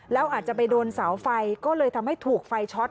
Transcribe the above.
แล้วอาจจะไปโดนเสาไฟก็เลยทำให้ถูกไฟช็อต